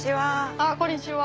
あっこんにちは。